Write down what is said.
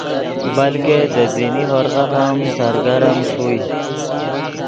بلکہ دے دینی ہورغف ام سرگرم ݰوئے